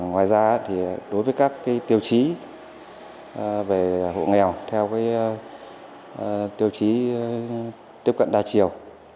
ngoài ra thì đối với các tiêu chí về hộ nghèo theo tiêu chí tiếp cận đa chiều